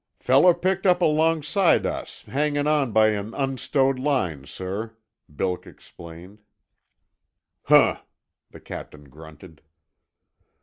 "Feller picked up alongside us, hangin' on by an unstowed line, sir." Bilk explained. "Huh!" the captain grunted.